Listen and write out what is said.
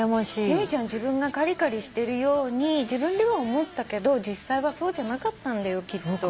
由美ちゃん自分がカリカリしてるように自分では思ったけど実際はそうじゃなかったんだよきっと。